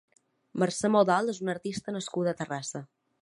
Mercè Modol és una artista nascuda a Terrassa.